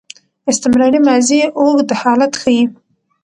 استمراري ماضي اوږد حالت ښيي.